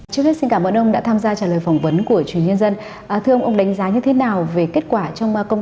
trước hết xin cảm ơn ông đã tham gia trả lời phỏng vấn của truyền hình nhân dân